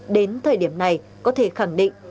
đến thời điểm này có thể khẳng định